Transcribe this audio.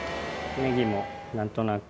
ネギもなんとなく。